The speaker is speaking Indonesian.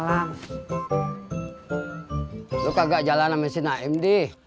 lo kagak jalan sama si naim di